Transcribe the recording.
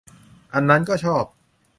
อันนั้นก็ชอบ